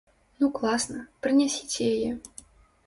Ну класна, прынясіце яе.